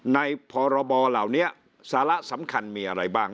พรบเหล่านี้สาระสำคัญมีอะไรบ้าง